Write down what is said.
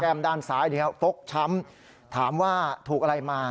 แก้มด้านซ้ายเดี๋ยวตกช้ำถามว่าถูกอะไรมา